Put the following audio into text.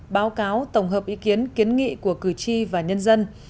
báo cáo tổng hợp ý kiến kiến nghị của cử tri và nhân dân